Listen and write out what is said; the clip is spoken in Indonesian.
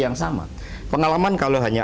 yang sama pengalaman kalau hanya